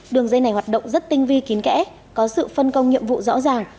đường dây này hoạt động rất tinh vi kín kẽ có sự phân công nhiệm vụ rõ ràng